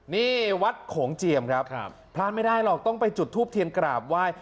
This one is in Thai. นี่วัดโขงเจียมครับพลาดไม่ได้หรอกต้องไปจุดทูปเทียนกราบไหว้